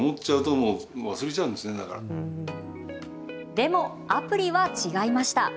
でもアプリは違いました。